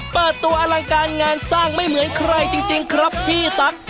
เปิดตัวอลังการงานสร้างไม่เหมือนใครจริงครับพี่ตั๊ก